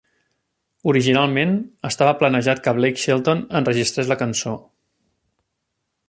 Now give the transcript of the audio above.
Originalment, estava planejat que Blake Shelton enregistrés la cançó.